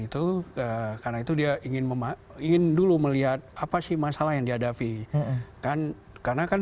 itu karena itu dia ingin memak ingin dulu melihat apa sih masalah yang dihadapi kan karena kan